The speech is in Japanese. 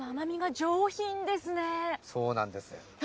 そうなんです。